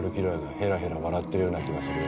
へらへら笑ってるような気がするよ。